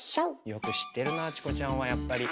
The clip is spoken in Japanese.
よく知ってるなあチコちゃんはやっぱり。